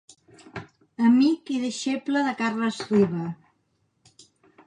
Amic i deixeble de Carles Riba.